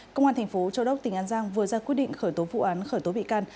công an thành phố châu đốc tỉnh an giang vừa ra quyết định khởi tố vụ án khởi tố bị can